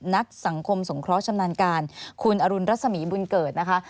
นักสังคมสงเคราะห์ชำนาญการคุณอรุณรัศมีบุญเกิดนะคะ